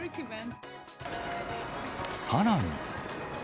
さらに。